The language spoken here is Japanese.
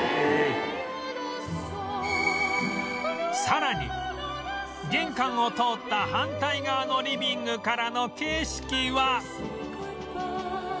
さらに玄関を通った反対側のリビングからの景色は